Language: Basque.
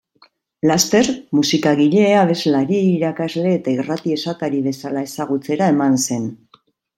Laster musikagile, abeslari, irakasle eta irrati-esatari bezala ezagutzera eman zen.